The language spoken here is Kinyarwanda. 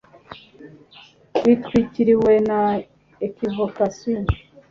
Bitwikiriwe na equivocation